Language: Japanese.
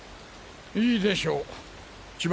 いいでしょう千葉！